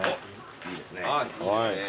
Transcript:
いいですね。